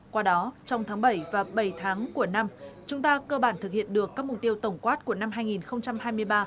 qua đó trong tháng bảy và bảy tháng của năm chúng ta cơ bản thực hiện được các mục tiêu tổng quát của năm hai nghìn hai mươi ba